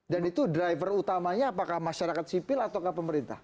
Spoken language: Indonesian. dan itu driver utamanya apakah masyarakat sipil atau pemerintah